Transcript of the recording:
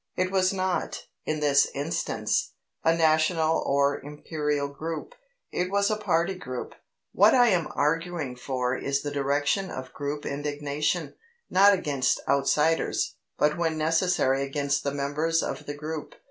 It was not, in this instance, a national or Imperial group: it was a party group. What I am arguing for is the direction of group indignation, not against outsiders, but when necessary against the members of the group.